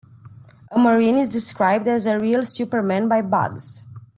A Marine is described as "a real superman" by Bugs.